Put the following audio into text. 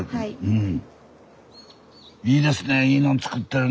うん。